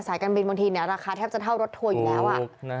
การบินบางทีราคาแทบจะเท่ารถทัวร์อยู่แล้ว